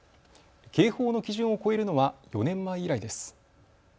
警報の基準を超えるのは４年前以来です。